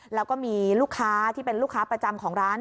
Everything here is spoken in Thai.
แล้วก็มีลูกค้าที่เป็นลูกค้าประจำของร้าน